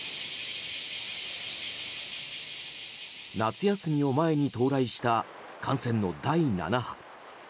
夏休みを前に到来した感染の第７波。